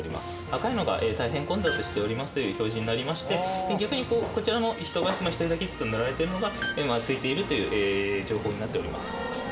赤いのが大変混雑しておりますという表示になりまして、逆にこちらの、人が１人だけ塗られているのが、今すいているという情報になっております。